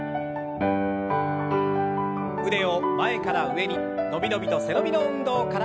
腕を前から上に伸び伸びと背伸びの運動から。